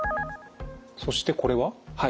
そしてこれは？